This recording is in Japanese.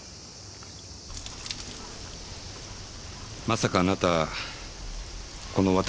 まさかあなたこの私が？